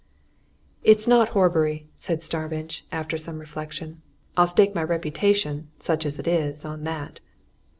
"It's not Horbury," said Starmidge, after some reflection. "I'll stake my reputation, such as it is, on that!"